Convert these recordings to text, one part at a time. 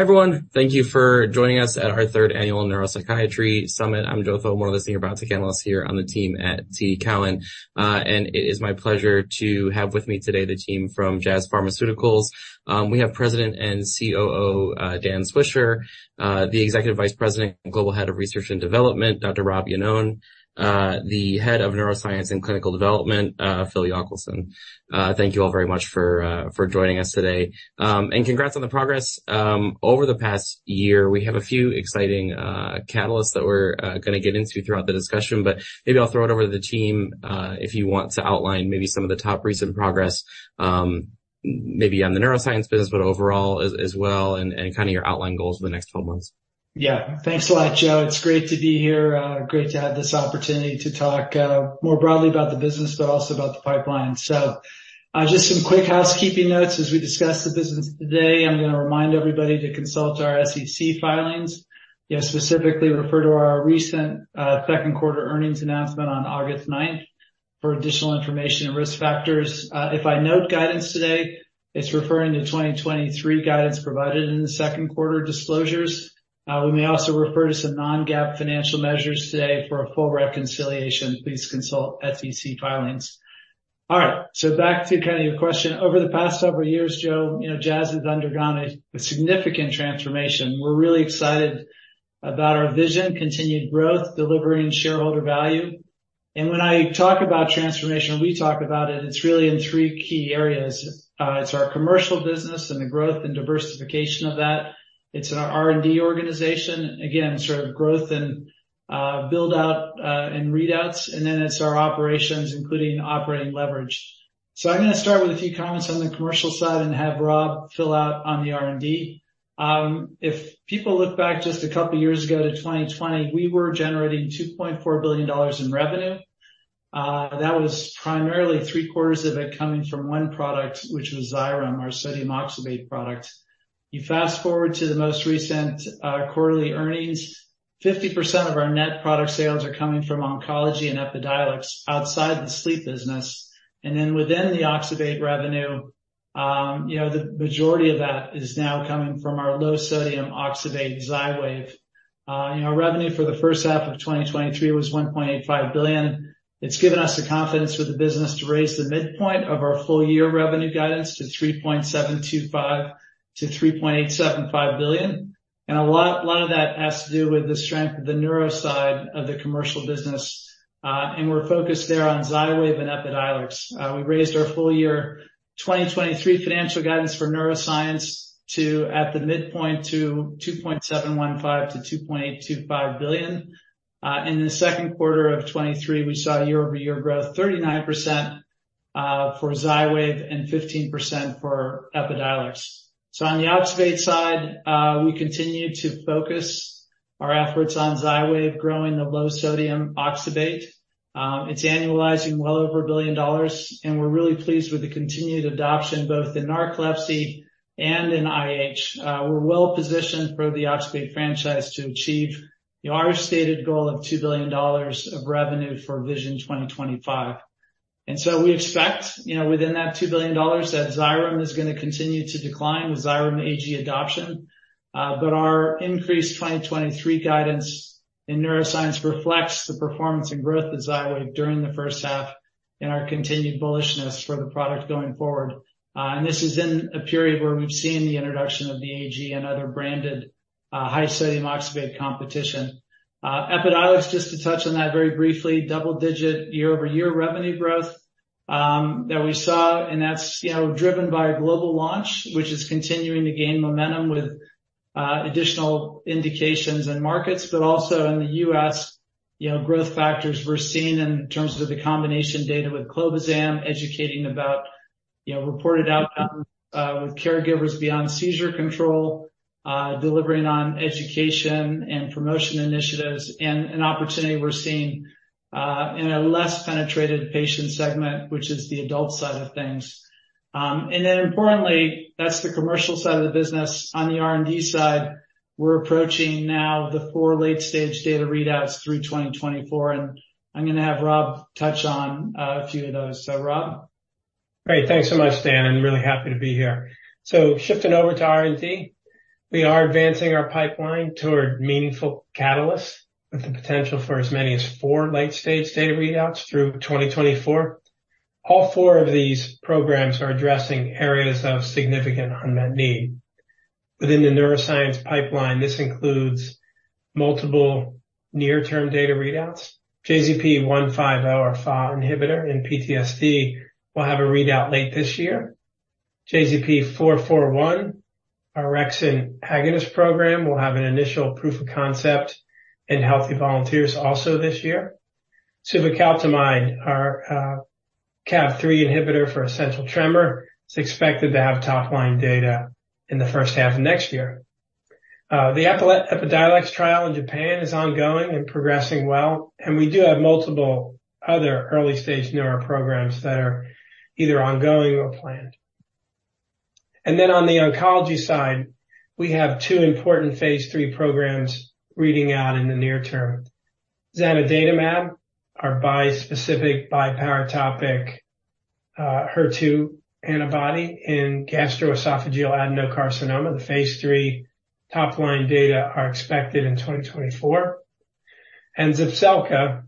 Everyone, thank you for joining us at our third annual Neuropsychiatry Summit. I'm Joe Thome, one of the Senior Biotech analysts here on the team at TD Cowen, and it is my pleasure to have with me today the team from Jazz Pharmaceuticals. We have President and COO Dan Swisher, the Executive Vice President and Global Head of Research and Development, Dr. Rob Iannone, the Head of Neuroscience and Clinical Development, Phil Johnson. Thank you all very much for joining us today, and congrats on the progress over the past year. We have a few exciting catalysts that we're going to get into throughout the discussion, but maybe I'll throw it over to the team if you want to outline maybe some of the top recent progress, maybe on the neuroscience business, but overall as well, and kind of your outline goals for the next 12 months. Yeah, thanks a lot, Joe. It's great to be here. Great to have this opportunity to talk more broadly about the business, but also about the pipeline. So just some quick housekeeping notes as we discuss the business today. I'm going to remind everybody to consult our SEC filings. Specifically, refer to our recent Q2 earnings announcement on August 9 for additional information and risk factors. If I note guidance today, it's referring to 2023 guidance provided in the Q2 disclosures. We may also refer to some non-GAAP financial measures today for a full reconciliation. Please consult SEC filings. All right, so back to kind of your question. Over the past several years, Joe, Jazz has undergone a significant transformation. We're really excited about our vision, continued growth, delivering shareholder value. And when I talk about transformation, we talk about it, it's really in three key areas. It's our commercial business and the growth and diversification of that. It's our R&D organization, again, sort of growth and build-out and readouts. And then it's our operations, including operating leverage. So I'm going to start with a few comments on the commercial side and have Rob fill out on the R&D. If people look back just a couple of years ago to 2020, we were generating $2.4 billion in revenue. That was primarily three quarters of it coming from one product, which was Xyrem, our sodium oxybate product. You fast forward to the most recent quarterly earnings, 50% of our net product sales are coming from oncology and Epidiolex outside the sleep business. And then within the oxybate revenue, the majority of that is now coming from our low sodium oxybate Xywav. Our revenue for the first half of 2023 was $1.85 billion. It's given us the confidence with the business to raise the midpoint of our full year revenue guidance to $3.725-$3.875 billion. A lot of that has to do with the strength of the neuro side of the commercial business. We're focused there on Xywav and Epidiolex. We raised our full year 2023 financial guidance for neuroscience to at the midpoint to $2.715-$2.825 billion. In the Q2 of 2023, we saw year-over-year growth, 39% for Xywav and 15% for Epidiolex. On the Oxybate side, we continue to focus our efforts on Xywav growing the low sodium oxybate. It's annualizing well over a billion dollars. We're really pleased with the continued adoption both in narcolepsy and in IH. We're well positioned for the Oxybate franchise to achieve our stated goal of $2 billion of revenue for Vision 2025. And so we expect within that $2 billion that Xyrem is going to continue to decline with Xyrem AG adoption. But our increased 2023 guidance in neuroscience reflects the performance and growth of Xywav during the first half and our continued bullishness for the product going forward. And this is in a period where we've seen the introduction of the AG and other branded high sodium oxybate competition. Epidiolex, just to touch on that very briefly, double-digit year-over-year revenue growth that we saw. And that's driven by a global launch, which is continuing to gain momentum with additional indications and markets, but also in the U.S., growth factors we're seeing in terms of the combination data with clobazam, educating about reported outcomes with caregivers beyond seizure control, delivering on education and promotion initiatives, and an opportunity we're seeing in a less penetrated patient segment, which is the adult side of things. And then importantly, that's the commercial side of the business. On the R&D side, we're approaching now the four late-stage data readouts through 2024. And I'm going to have Rob touch on a few of those. So, Rob. Great. Thanks so much, Dan. I'm really happy to be here. So shifting over to R&D, we are advancing our pipeline toward meaningful catalysts with the potential for as many as four late-stage data readouts through 2024. All four of these programs are addressing areas of significant unmet need. Within the neuroscience pipeline, this includes multiple near-term data readouts. JZP150 inhibitor in PTSD will have a readout late this year. JZP441, our orexin agonist program, will have an initial proof of concept in healthy volunteers also this year. Suvecaltamide, our CaV3 inhibitor for essential tremor, is expected to have top-line data in the first half of next year. The Epidiolex trial in Japan is ongoing and progressing well. And we do have multiple other early-stage neuro programs that are either ongoing or planned. And then on the oncology side, we have two important phase three programs reading out in the near term. Zanidatamab, our bispecific biparatopic HER2 antibody in gastroesophageal adenocarcinoma, the phase three top-line data are expected in 2024. And Zepzelca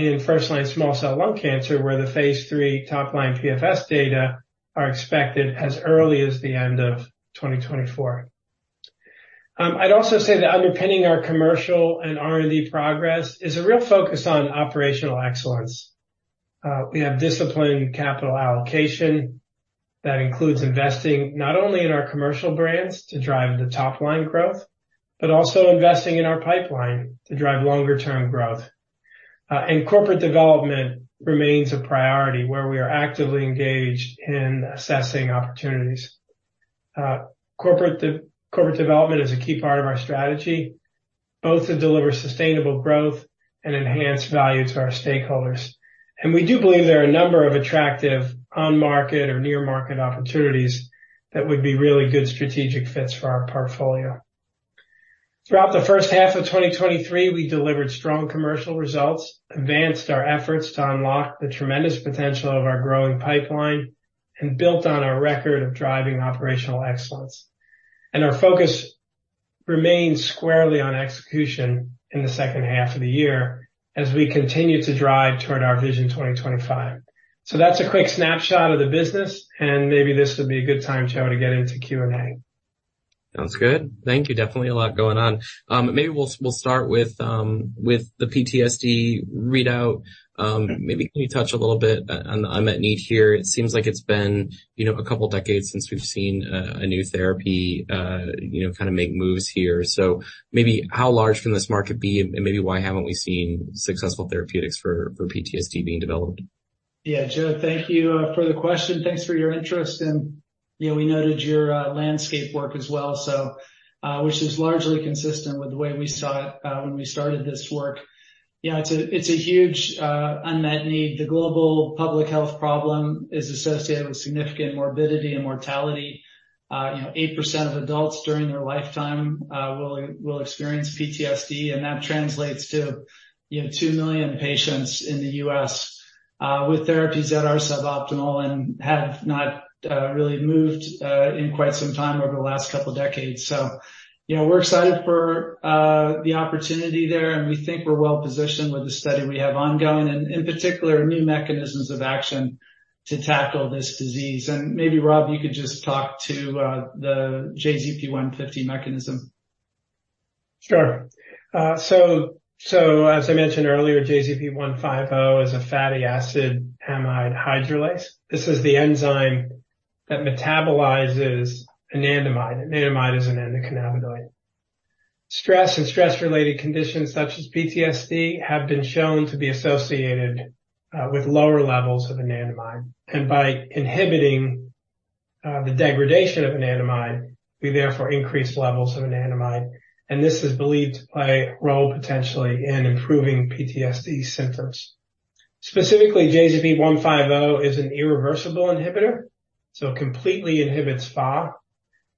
in first-line small cell lung cancer, where the phase three top-line PFS data are expected as early as the end of 2024. I'd also say that underpinning our commercial and R&D progress is a real focus on operational excellence. We have disciplined capital allocation that includes investing not only in our commercial brands to drive the top-line growth, but also investing in our pipeline to drive longer-term growth. And corporate development remains a priority where we are actively engaged in assessing opportunities. Corporate development is a key part of our strategy, both to deliver sustainable growth and enhance value to our stakeholders. We do believe there are a number of attractive on-market or near-market opportunities that would be really good strategic fits for our portfolio. Throughout the first half of 2023, we delivered strong commercial results, advanced our efforts to unlock the tremendous potential of our growing pipeline, and built on our record of driving operational excellence. Our focus remains squarely on execution in the second half of the year as we continue to drive toward our Vision 2025. That's a quick snapshot of the business. Maybe this would be a good time, Joe, to get into Q&A. Sounds good. Thank you. Definitely a lot going on. Maybe we'll start with the PTSD readout. Maybe can you touch a little bit on the unmet need here? It seems like it's been a couple of decades since we've seen a new therapy kind of make moves here. So maybe how large can this market be? And maybe why haven't we seen successful therapeutics for PTSD being developed? Yeah, Joe, thank you for the question. Thanks for your interest. And we noted your landscape work as well, which is largely consistent with the way we saw it when we started this work. Yeah, it's a huge unmet need. The global public health problem is associated with significant morbidity and mortality. 8% of adults during their lifetime will experience PTSD. And that translates to 2 million patients in the U.S. with therapies that are suboptimal and have not really moved in quite some time over the last couple of decades. So we're excited for the opportunity there. And we think we're well positioned with the study we have ongoing and in particular, new mechanisms of action to tackle this disease. And maybe, Rob, you could just talk to the JZP150 mechanism. Sure. So as I mentioned earlier, JZP150 is a fatty acid amide hydrolase. This is the enzyme that metabolizes anandamide. Anandamide is an endocannabinoid. Stress and stress-related conditions such as PTSD have been shown to be associated with lower levels of anandamide. And by inhibiting the degradation of anandamide, we therefore increase levels of anandamide. And this is believed to play a role potentially in improving PTSD symptoms. Specifically, JZP150 is an irreversible inhibitor. So it completely inhibits FAAH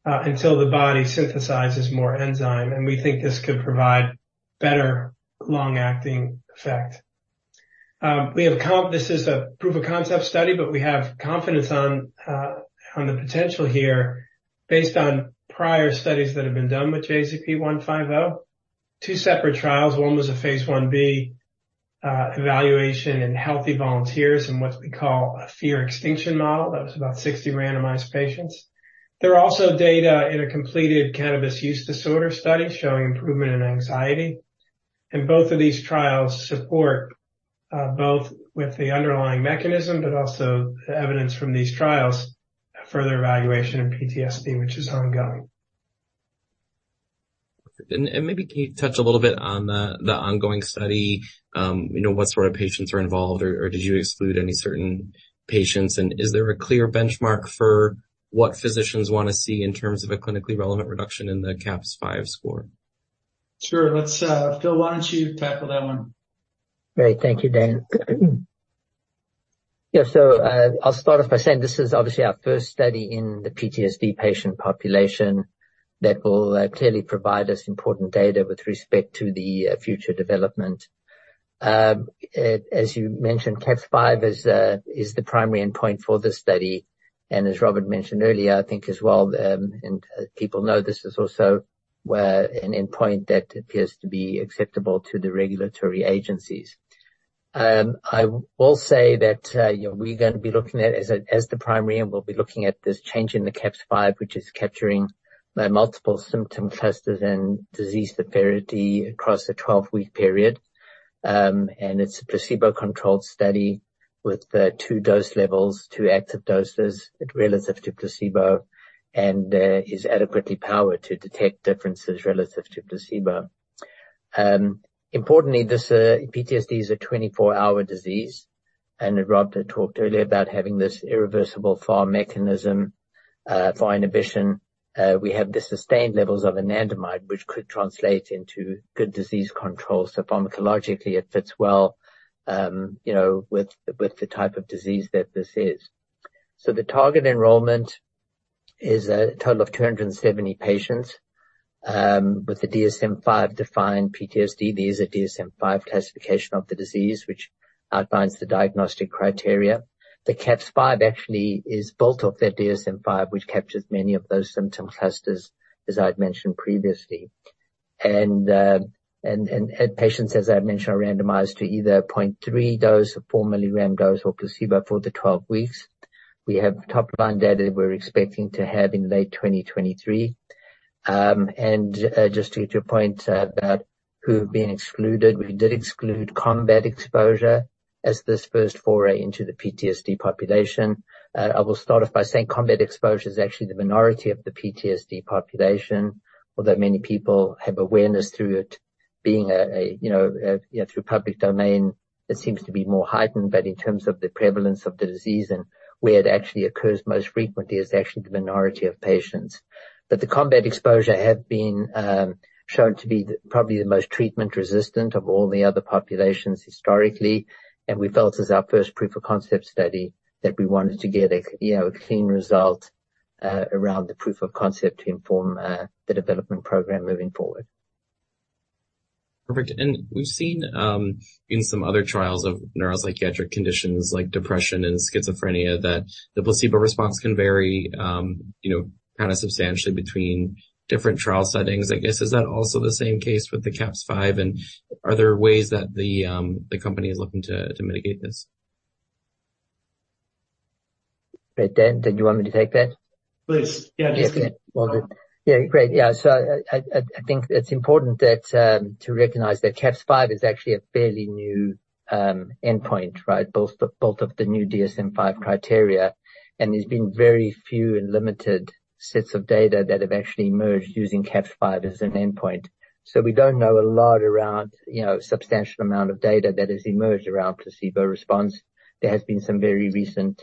until the body synthesizes more enzyme. And we think this could provide better long-acting effect. This is a proof of concept study, but we have confidence on the potential here based on prior studies that have been done with JZP150. Two separate trials. One was a phase 1B evaluation in healthy volunteers and what we call a fear extinction model. That was about 60 randomized patients. There are also data in a completed cannabis use disorder study showing improvement in anxiety, and both of these trials support both with the underlying mechanism, but also the evidence from these trials for further evaluation in PTSD, which is ongoing. Maybe can you touch a little bit on the ongoing study? What sort of patients are involved? Or did you exclude any certain patients? Is there a clear benchmark for what physicians want to see in terms of a clinically relevant reduction in the CAPS-5 score? Sure. Phil, why don't you tackle that one? Great. Thank you, Dan. Yeah, so I'll start off by saying this is obviously our first study in the PTSD patient population that will clearly provide us important data with respect to the future development. As you mentioned, CAPS-5 is the primary endpoint for this study, and as Robert mentioned earlier, I think as well, and people know this is also an endpoint that appears to be acceptable to the regulatory agencies. I will say that we're going to be looking at it as the primary, and we'll be looking at this change in the CAPS-5, which is capturing multiple symptom clusters and disease severity across a 12-week period, and it's a placebo-controlled study with two dose levels, two active doses relative to placebo, and is adequately powered to detect differences relative to placebo. Importantly, PTSD is a 24-hour disease. Robert talked earlier about having this irreversible FAAH mechanism, FAAH inhibition. We have the sustained levels of anandamide, which could translate into good disease control. Pharmacologically, it fits well with the type of disease that this is. The target enrollment is a total of 270 patients with a DSM-5 defined PTSD. There is a DSM-5 classification of the disease, which outlines the diagnostic criteria. The CAPS-5 actually is built off that DSM-5, which captures many of those symptom clusters, as I had mentioned previously. Patients, as I had mentioned, are randomized to either a 0.3 dose or four milligram dose or placebo for the 12 weeks. We have top-line data that we're expecting to have in late 2023. Just to get your point about who have been excluded, we did exclude combat exposure as this first foray into the PTSD population. I will start off by saying combat exposure is actually the minority of the PTSD population, although many people have awareness through it being through public domain. It seems to be more heightened, but in terms of the prevalence of the disease and where it actually occurs most frequently is actually the minority of patients. But the combat exposure has been shown to be probably the most treatment-resistant of all the other populations historically. And we felt as our first proof of concept study that we wanted to get a clean result around the proof of concept to inform the development program moving forward. Perfect. And we've seen in some other trials of neuropsychiatric conditions like depression and schizophrenia that the placebo response can vary kind of substantially between different trial settings. I guess, is that also the same case with the CAPS-5? And are there ways that the company is looking to mitigate this? Did you want me to take that? Please. Yeah, just. Yeah, great. Yeah. So I think it's important to recognize that CAPS-5 is actually a fairly new endpoint, right? Both of the new DSM-5 criteria, and there's been very few and limited sets of data that have actually emerged using CAPS-5 as an endpoint. So we don't know a lot around a substantial amount of data that has emerged around placebo response. There has been some very recent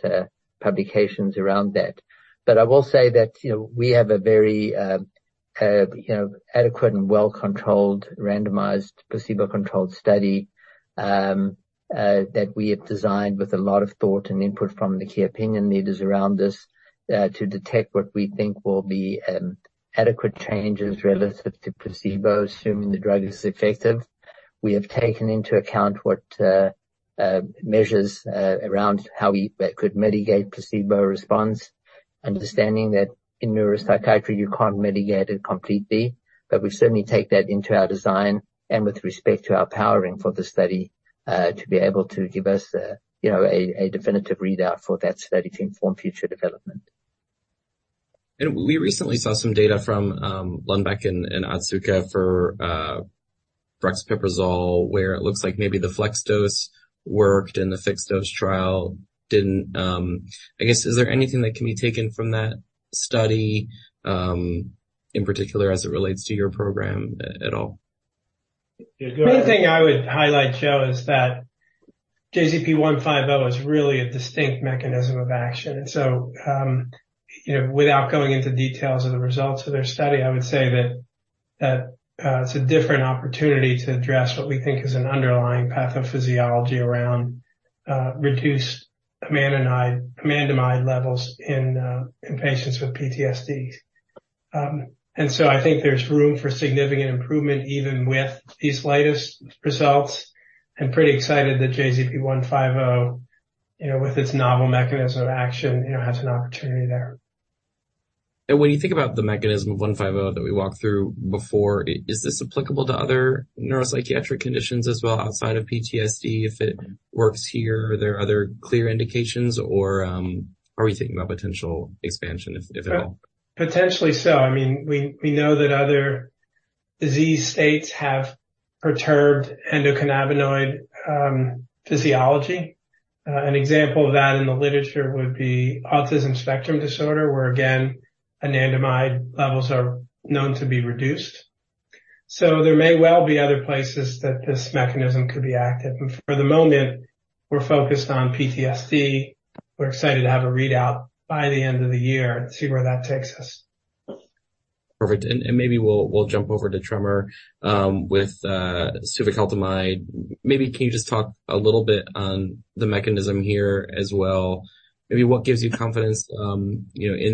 publications around that. But I will say that we have a very adequate and well-controlled randomized placebo-controlled study that we have designed with a lot of thought and input from the key opinion leaders around this to detect what we think will be adequate changes relative to placebo, assuming the drug is effective. We have taken into account what measures around how we could mitigate placebo response, understanding that in neuropsychiatry, you can't mitigate it completely. But we certainly take that into our design and with respect to our powering for the study to be able to give us a definitive readout for that study to inform future development. We recently saw some data from Lundbeck and Otsuka for Brexpiprazole, where it looks like maybe the flex dose worked in the fixed dose trial didn't. I guess, is there anything that can be taken from that study in particular as it relates to your program at all? The only thing I would highlight, Joe, is that JZP150 is really a distinct mechanism of action. And so without going into details of the results of their study, I would say that it's a different opportunity to address what we think is an underlying pathophysiology around reduced anandamide levels in patients with PTSD. And so I think there's room for significant improvement even with these latest results. And pretty excited that JZP150, with its novel mechanism of action, has an opportunity there. When you think about the mechanism of JZP150 that we walked through before, is this applicable to other neuropsychiatric conditions as well outside of PTSD? If it works here, are there other clear indications, or are we thinking about potential expansion, if at all? Potentially so. I mean, we know that other disease states have perturbed endocannabinoid physiology. An example of that in the literature would be autism spectrum disorder, where, again, anandamide levels are known to be reduced. So there may well be other places that this mechanism could be active. And for the moment, we're focused on PTSD. We're excited to have a readout by the end of the year and see where that takes us. Perfect. And maybe we'll jump over to tremor with Suvecaltamide. Maybe can you just talk a little bit on the mechanism here as well? Maybe what gives you confidence in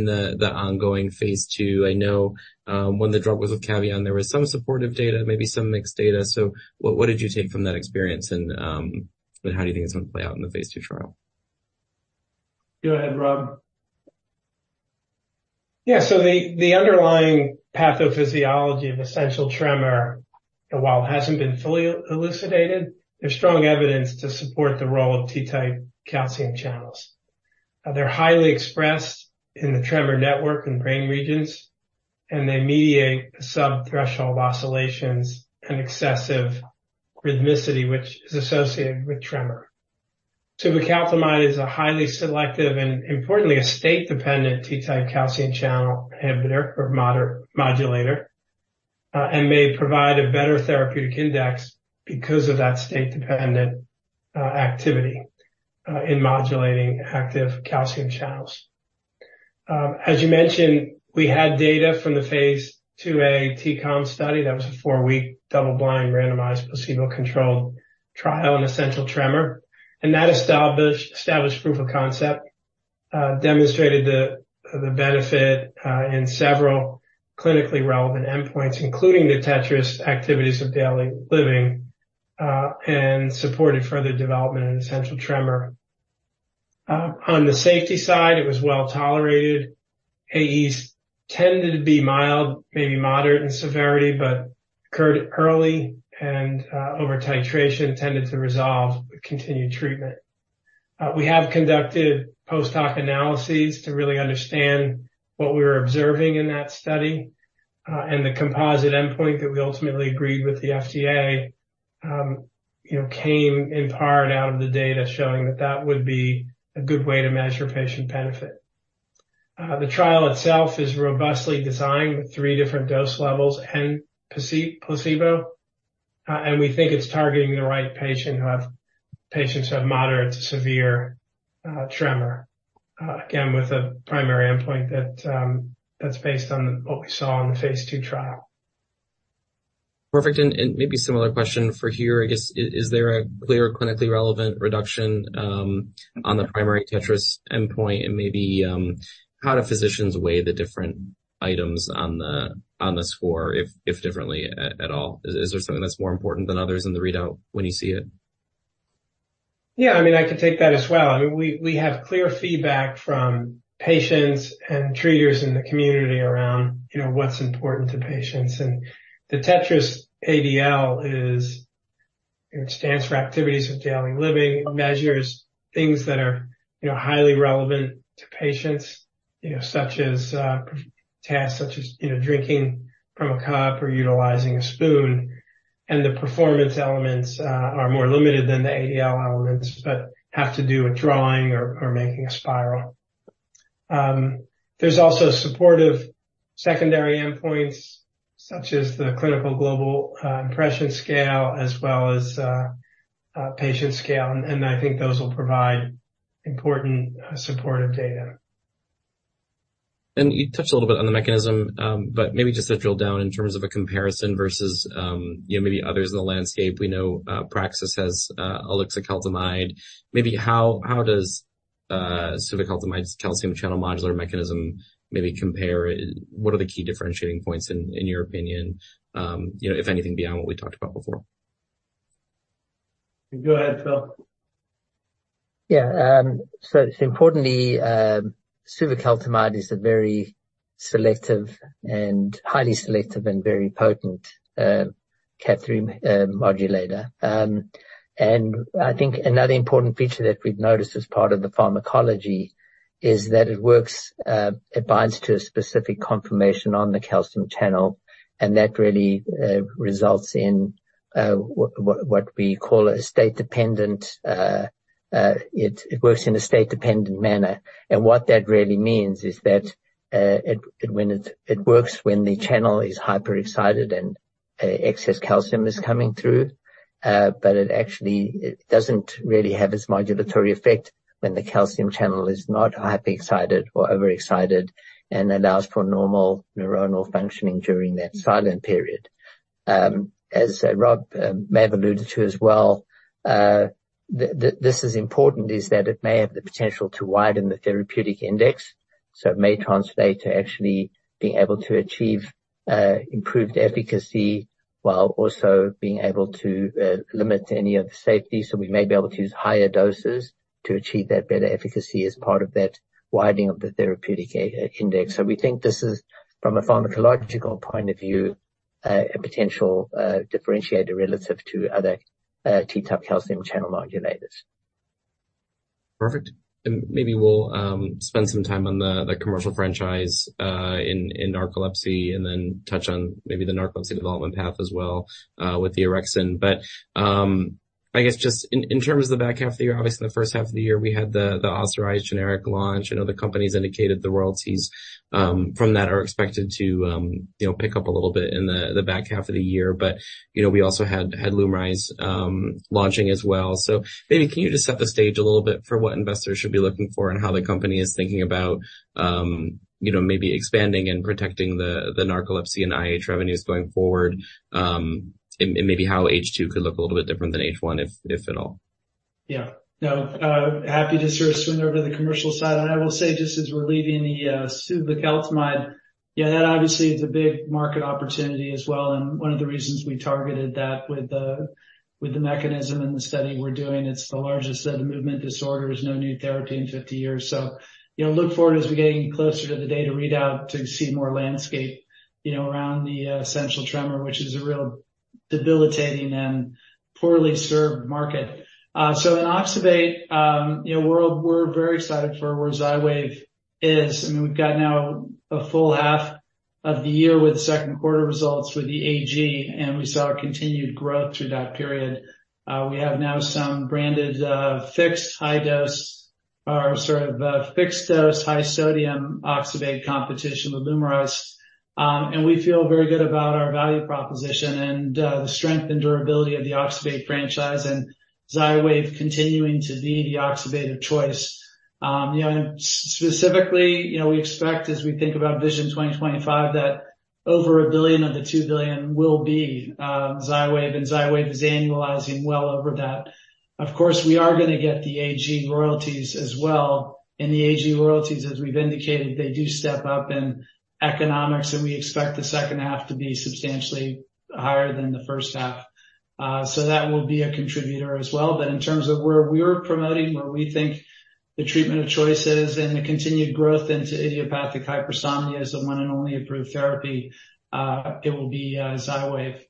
the ongoing phase two? I know when the drug was with Cavion, there was some supportive data, maybe some mixed data. So what did you take from that experience? And how do you think it's going to play out in the phase two trial? Go ahead, Rob. Yeah, so the underlying pathophysiology of essential tremor, while it hasn't been fully elucidated, there's strong evidence to support the role of T-type calcium channels. They're highly expressed in the tremor network and brain regions, and they mediate sub-threshold oscillations and excessive rhythmicity, which is associated with tremor. Suvecaltamide is a highly selective and, importantly, a state-dependent T-type calcium channel inhibitor or modulator and may provide a better therapeutic index because of that state-dependent activity in modulating active calcium channels. As you mentioned, we had data from the phase 2A T-CALM study. That was a four-week double-blind randomized placebo-controlled trial in essential tremor, and that established proof of concept, demonstrated the benefit in several clinically relevant endpoints, including the TETRAS activities of daily living, and supported further development in essential tremor. On the safety side, it was well tolerated. AEs tended to be mild, maybe moderate in severity, but occurred early and over titration tended to resolve with continued treatment. We have conducted post-hoc analyses to really understand what we were observing in that study, and the composite endpoint that we ultimately agreed with the FDA came in part out of the data showing that that would be a good way to measure patient benefit. The trial itself is robustly designed with three different dose levels and placebo, and we think it's targeting the right patients who have moderate to severe tremor, again, with a primary endpoint that's based on what we saw in the phase two trial. Perfect. And maybe a similar question for here. I guess, is there a clear clinically relevant reduction on the primary TETRAS endpoint? And maybe how do physicians weigh the different items on the score, if differently at all? Is there something that's more important than others in the readout when you see it? Yeah, I mean, I could take that as well. I mean, we have clear feedback from patients and treaters in the community around what's important to patients. And the TETRAS ADL stands for activities of daily living. It measures things that are highly relevant to patients, such as tasks such as drinking from a cup or utilizing a spoon. And the performance elements are more limited than the ADL elements, but have to do with drawing or making a spiral. There's also supportive secondary endpoints, such as the clinical global impression scale, as well as patient scale. And I think those will provide important supportive data. You touched a little bit on the mechanism, but maybe just to drill down in terms of a comparison versus maybe others in the landscape. We know Praxis has ulixacaltamide. Maybe how does Suvecaltamide's calcium channel modulator mechanism maybe compare? What are the key differentiating points in your opinion, if anything, beyond what we talked about before? Go ahead, Phil. Yeah. So importantly, Suvecaltamide is a very selective and highly selective and very potent T-type calcium channel modulator. And I think another important feature that we've noticed as part of the pharmacology is that it binds to a specific conformation on the calcium channel. And that really results in what we call a state-dependent. It works in a state-dependent manner. And what that really means is that when the channel is hyperexcited and excess calcium is coming through, but it actually doesn't really have its modulatory effect when the calcium channel is not hyperexcited or overexcited and allows for normal neuronal functioning during that silent period. As Rob may have alluded to as well, this is important, that it may have the potential to widen the therapeutic index. So it may translate to actually being able to achieve improved efficacy while also being able to limit any of the safety. So we may be able to use higher doses to achieve that better efficacy as part of that widening of the therapeutic index. So we think this is, from a pharmacological point of view, a potential differentiator relative to other T-type calcium channel modulators. Perfect. And maybe we'll spend some time on the commercial franchise in narcolepsy and then touch on maybe the narcolepsy development path as well with the orexin. But I guess just in terms of the back half of the year, obviously, in the first half of the year, we had the authorized generic launch. I know the companies indicated the royalties from that are expected to pick up a little bit in the back half of the year. But we also had Lumryz launching as well. So maybe can you just set the stage a little bit for what investors should be looking for and how the company is thinking about maybe expanding and protecting the narcolepsy and IH revenues going forward and maybe how H2 could look a little bit different than H1, if at all? Yeah. No, happy to sort of swing over to the commercial side. And I will say, just as we're leaving the Suvecaltamide, yeah, that obviously is a big market opportunity as well. And one of the reasons we targeted that with the mechanism and the study we're doing, it's the largest set of movement disorders, no new therapy in 50 years. So look forward as we're getting closer to the data readout to see more landscape around the essential tremor, which is a real debilitating and poorly served market. So in Oxybate, we're very excited for where Xywav is. I mean, we've got now a full half of the year with Q2 results with the AG, and we saw continued growth through that period. We have now some branded fixed high dose or sort of fixed dose high sodium Oxybate competition with Lumryz. And we feel very good about our value proposition and the strength and durability of the Oxybate franchise and Xywav continuing to be the Oxybate of choice. Specifically, we expect, as we think about Vision 2025, that over a billion of the two billion will be Xywav, and Xywav is annualizing well over that. Of course, we are going to get the AG royalties as well. And the AG royalties, as we've indicated, they do step up in economics, and we expect the second half to be substantially higher than the first half. So that will be a contributor as well. But in terms of where we're promoting, where we think the treatment of choices and the continued growth into idiopathic hypersomnia as the one and only approved therapy, it will be Xywav.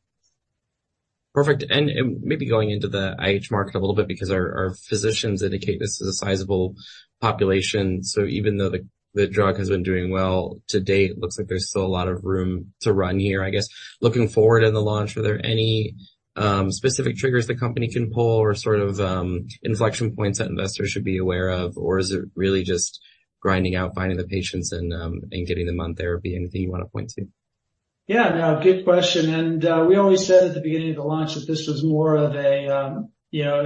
Perfect. And maybe going into the IH market a little bit because our physicians indicate this is a sizable population. So even though the drug has been doing well to date, it looks like there's still a lot of room to run here. I guess looking forward in the launch, are there any specific triggers the company can pull or sort of inflection points that investors should be aware of? Or is it really just grinding out, finding the patients, and getting them on therapy? Anything you want to point to? Yeah. No, good question. And we always said at the beginning of the launch that this was more of a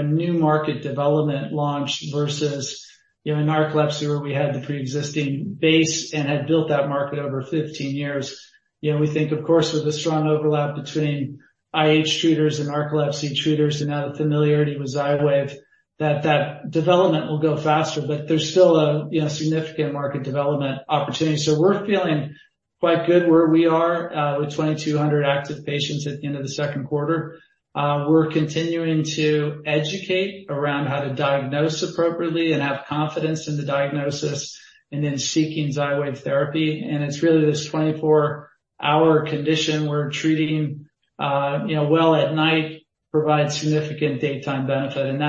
new market development launch versus in narcolepsy where we had the pre-existing base and had built that market over 15 years. We think, of course, with the strong overlap between IH treaters and narcolepsy treaters and now the familiarity with Xywav, that that development will go faster. But there's still a significant market development opportunity. So we're feeling quite good where we are with 2,200 active patients at the end of the Q2. We're continuing to educate around how to diagnose appropriately and have confidence in the diagnosis and then seeking Xywav therapy. And it's really this 24-hour condition where treating well at night provides significant daytime benefit. And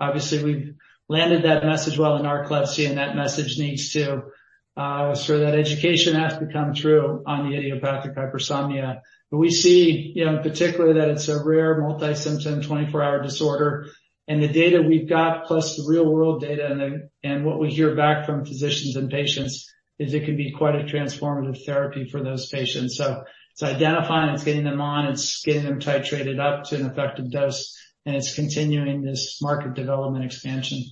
obviously, we've landed that message well in narcolepsy, and that message needs to. So that education has to come through on the idiopathic hypersomnia. But we see, in particular, that it's a rare multi-symptom 24-hour disorder. And the data we've got, plus the real-world data and what we hear back from physicians and patients, is that it can be quite a transformative therapy for those patients. So it's identifying, it's getting them on, it's getting them titrated up to an effective dose, and it's continuing this market development expansion.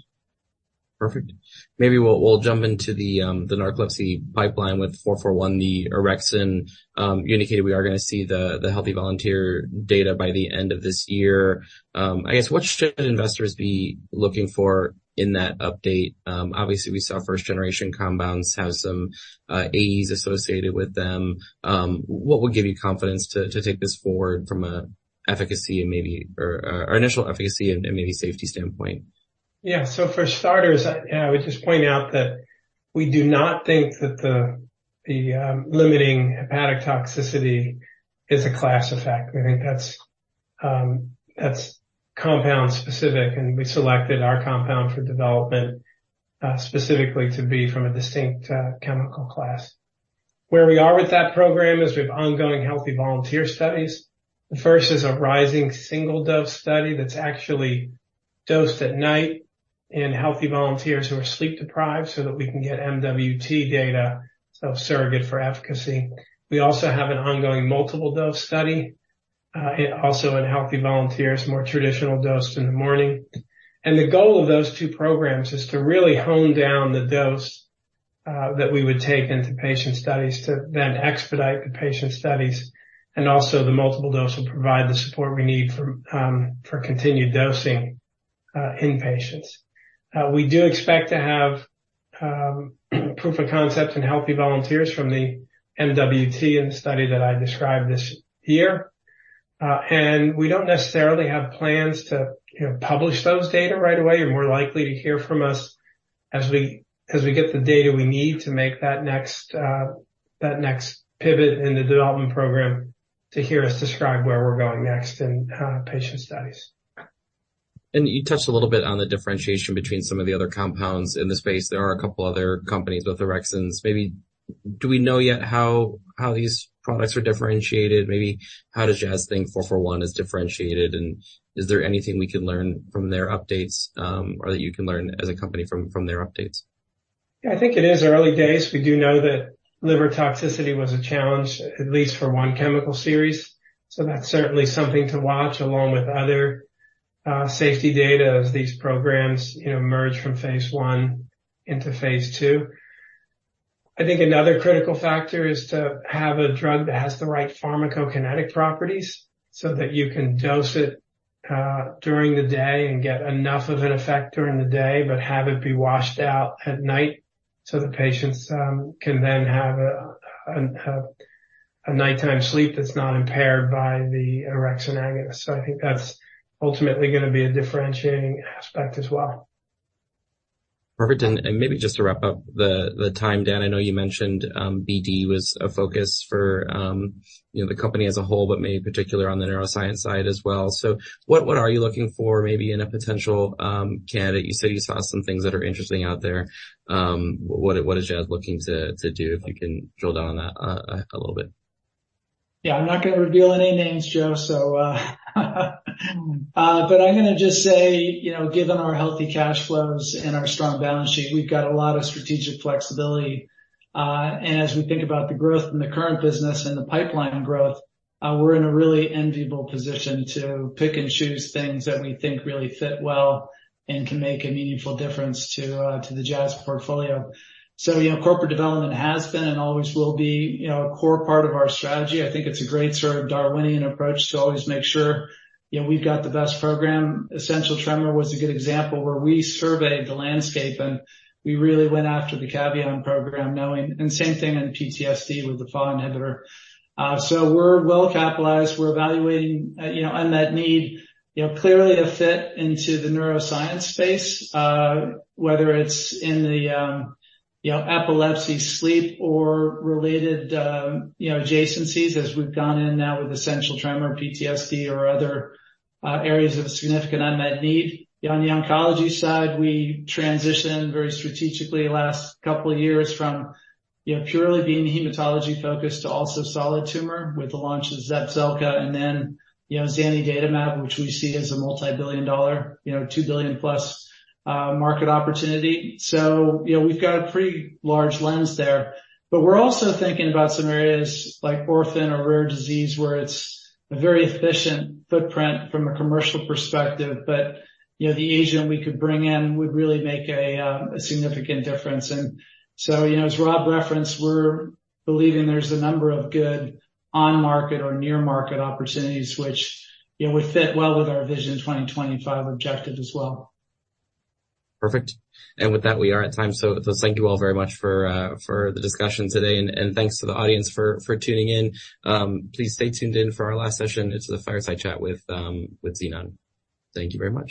Perfect. Maybe we'll jump into the narcolepsy pipeline with JZP441, the orexin. You indicated we are going to see the healthy volunteer data by the end of this year. I guess, what should investors be looking for in that update? Obviously, we saw first-generation compounds have some AEs associated with them. What would give you confidence to take this forward from an efficacy and maybe or initial efficacy and maybe safety standpoint? Yeah. So for starters, I would just point out that we do not think that the limiting hepatic toxicity is a class effect. We think that's compound-specific. And we selected our compound for development specifically to be from a distinct chemical class. Where we are with that program is we have ongoing healthy volunteer studies. The first is a rising single-dose study that's actually dosed at night in healthy volunteers who are sleep deprived so that we can get MWT data as a surrogate for efficacy. We also have an ongoing multiple-dose study, also in healthy volunteers, more traditional dosed in the morning. And the goal of those two programs is to really narrow down the dose that we would take into patient studies to then expedite the patient studies. And also, the multiple dose will provide the support we need for continued dosing in patients. We do expect to have proof of concept in healthy volunteers from the MWT in the study that I described this year. And we don't necessarily have plans to publish those data right away. You're more likely to hear from us as we get the data we need to make that next pivot in the development program to hear us describe where we're going next in patient studies. You touched a little bit on the differentiation between some of the other compounds in the space. There are a couple of other companies, both orexins. Maybe do we know yet how these products are differentiated? Maybe how does Jazz think JZP441 is differentiated? And is there anything we can learn from their updates or that you can learn as a company from their updates? Yeah, I think it is early days. We do know that liver toxicity was a challenge, at least for one chemical series. So that's certainly something to watch along with other safety data as these programs emerge from phase one into phase two. I think another critical factor is to have a drug that has the right pharmacokinetic properties so that you can dose it during the day and get enough of an effect during the day, but have it be washed out at night so the patients can then have a nighttime sleep that's not impaired by the orexin agonist. So I think that's ultimately going to be a differentiating aspect as well. Perfect. And maybe just to wrap up the time, Dan, I know you mentioned BD was a focus for the company as a whole, but maybe particularly on the neuroscience side as well. So what are you looking for maybe in a potential candidate? You said you saw some things that are interesting out there. What is Jazz looking to do if you can drill down on that a little bit? Yeah. I'm not going to reveal any names, Joe, so but I'm going to just say, given our healthy cash flows and our strong balance sheet, we've got a lot of strategic flexibility, and as we think about the growth in the current business and the pipeline growth, we're in a really enviable position to pick and choose things that we think really fit well and can make a meaningful difference to the Jazz portfolio, so corporate development has been and always will be a core part of our strategy. I think it's a great sort of Darwinian approach to always make sure we've got the best program. Essential tremor was a good example where we surveyed the landscape, and we really went after the Cavion program, knowing and same thing in PTSD with the FAAH inhibitor, so we're well-capitalized. We're evaluating unmet need, clearly a fit into the neuroscience space, whether it's in the epilepsy sleep or related adjacencies as we've gone in now with essential tremor, PTSD, or other areas of significant unmet need. On the oncology side, we transitioned very strategically last couple of years from purely being hematology-focused to also solid tumor with the launch of Zepzelca and then Zanidatamab, which we see as a multi-billion-dollar, $2 billion-plus market opportunity. So we've got a pretty large lens there. But we're also thinking about some areas like orphan or rare disease where it's a very efficient footprint from a commercial perspective, but the agent we could bring in would really make a significant difference. And so as Rob referenced, we're believing there's a number of good on-market or near-market opportunities, which would fit well with our Vision 2025 objective as well. Perfect. And with that, we are at time. So thank you all very much for the discussion today. And thanks to the audience for tuning in. Please stay tuned in for our last session. It's the fireside chat with Xenon. Thank you very much.